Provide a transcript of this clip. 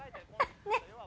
ねっ？